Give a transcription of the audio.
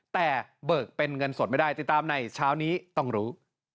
แต่เบิกเป็นเงินสดไม่ได้ติดตามในเช้านี้ต้องรู้